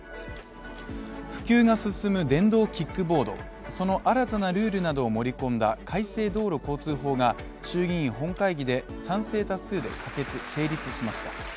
普及が進む電動キックボード、その新たなルールなどを盛り込んだ改正道路交通法が衆議院本会議で賛成多数で可決成立しました。